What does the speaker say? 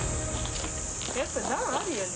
やっぱ段あるよね。